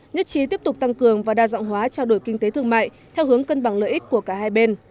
nhất trí tiếp tục tăng cường và đa dạng hóa trao đổi kinh tế thương mại theo hướng cân bằng lợi ích của cả hai bên